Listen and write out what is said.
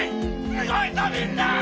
すごいぞみんな！